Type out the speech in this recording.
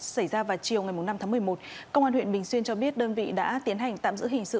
xảy ra vào chiều ngày năm tháng một mươi một công an huyện bình xuyên cho biết đơn vị đã tiến hành tạm giữ hình sự